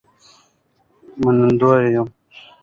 منندوی یم